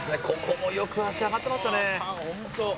ここもよく足上がってましたね